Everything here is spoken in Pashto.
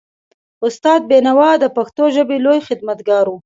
استاد بینوا د پښتو ژبې لوی خدمتګار و.